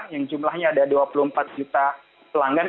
yang jumlahnya ada dua puluh empat juta pelanggan